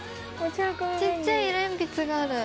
小っちゃい色鉛筆がある。